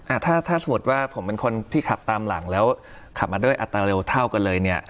อ่ะถ้าถ้าสมมุติว่าผมเป็นคนที่ขับตามหลังแล้วขับมาด้วยอัตราเร็วเท่ากันเลยเนี่ย